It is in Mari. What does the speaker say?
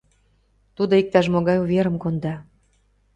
Тудо иктаж-могай уверым конда.